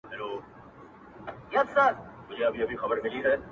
د پنیر ټوټه ترې ولوېده له پاسه-